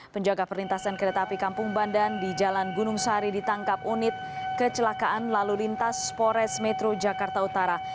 penjaga perlintasan kereta api kampung bandan di jalan gunung sari ditangkap unit kecelakaan lalu lintas forest metro jakarta utara